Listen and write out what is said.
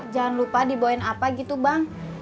jangan lupa diboin apa gitu bang